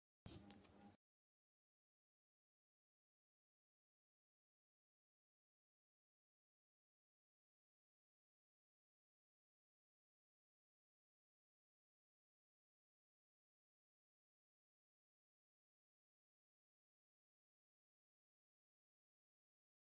সুষ্ঠুভাবে ভর্তি পরীক্ষা সম্পন্ন করতে সংশ্লিষ্ট সবার সহযোগিতা কামনা করা হয়।